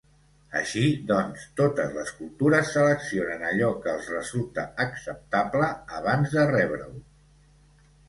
Així, doncs, totes les cultures seleccionen allò que els resulta acceptable, abans de rebre-ho.